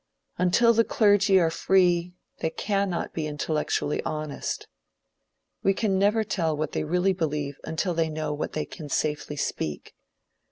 Until the clergy are free they cannot be intellectually honest. We can never tell what they really believe until they know that they can safely speak.